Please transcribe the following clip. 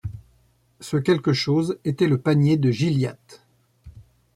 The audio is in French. Ce quelque chose était le panier de Gilliatt.